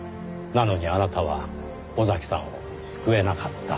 なのにあなたは尾崎さんを救えなかった。